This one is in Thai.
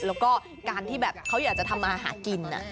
แล้วก็การที่แบบเขาอยากจะทำมาหากิน